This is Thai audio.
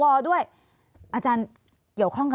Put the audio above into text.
ภารกิจสรรค์ภารกิจสรรค์